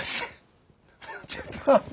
ちょっと。